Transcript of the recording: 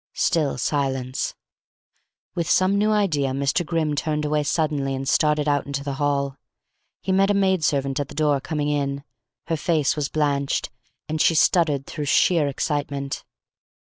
Still silence. With some new idea Mr. Grimm turned away suddenly and started out into the hall. He met a maid servant at the door, coming in. Her face was blanched, and she stuttered through sheer excitement.